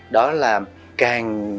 đó là càng